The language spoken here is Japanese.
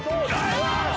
うわ！